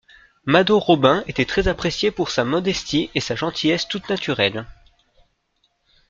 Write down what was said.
Mado Robin était très appréciée pour sa modestie et sa gentillesse toute naturelle.